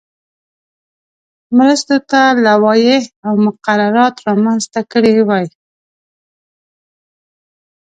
مرستو ته لوایح او مقررات رامنځته کړي وای.